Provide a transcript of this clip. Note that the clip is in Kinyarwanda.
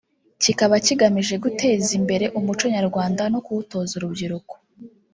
kiba kigamije guteza imbere umuco nyarwanda no kuwutoza urubyiruko